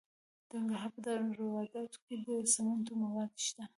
د ننګرهار په روداتو کې د سمنټو مواد شته.